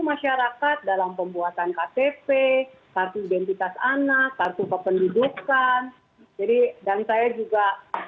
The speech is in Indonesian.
masyarakat dalam pembuatan ktp kartu identitas anak kartu kependudukan jadi dan saya juga